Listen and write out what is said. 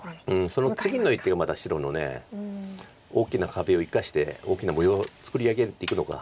その次の一手がまた白の大きな壁を生かして大きな模様を作り上げていくのか。